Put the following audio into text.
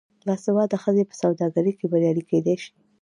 باسواده ښځې په سوداګرۍ کې بریالۍ کیدی شي.